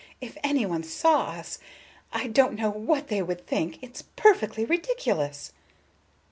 If any one saw us, I don't know what they would think. It's perfectly ridiculous!"